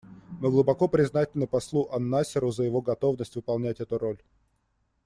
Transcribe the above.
Мы глубоко признательны послу ан-Насеру за его готовность выполнять эту роль.